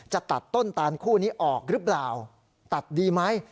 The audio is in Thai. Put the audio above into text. จะตัดต้นตานคู่นี้ออกหรือเปล่าตัดดีไหม